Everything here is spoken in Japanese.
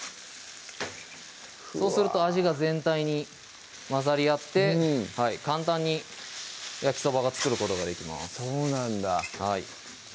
そうすると味が全体に混ざり合って簡単に「焼きそば」が作ることができますそうなんだはい